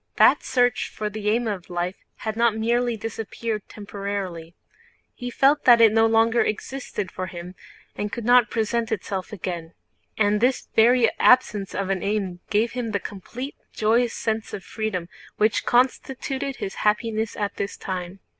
That search for the aim of life had not merely disappeared temporarily—he felt that it no longer existed for him and could not present itself again. And this very absence of an aim gave him the complete, joyous sense of freedom which constituted his happiness at this time.